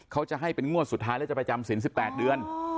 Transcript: เขาจะให้เป็นงวดสุดท้ายแล้วจะไปจำศิลป์๑๘เดือน